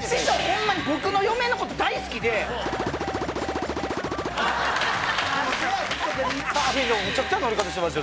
師匠ホンマに僕の嫁のこと大好きでムチャクチャな乗り方してますよ